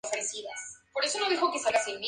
Fue el segundo de una familia de siete hermanos.